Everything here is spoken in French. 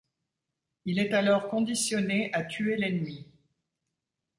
Il est alors conditionné à tuer l’ennemi.